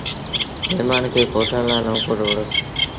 مهممآݩ کي ڪوٺڻ لآ نئون ڪوٽ وُهڙس۔